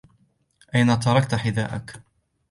أين تركت حذاءك ؟